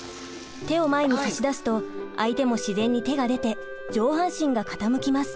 手を前に差し出すと相手も自然に手が出て上半身が傾きます。